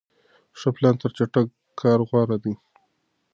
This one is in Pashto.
ښه پلان تر چټک کار غوره دی.